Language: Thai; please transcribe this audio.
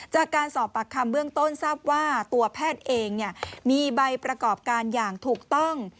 จากการสอบปากคำเบื้องต้นทราบว่าตัวแพทย์เองมีใบประกอบการอย่างถูกต้อง